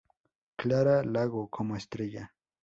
Clara_Lago como Estrella.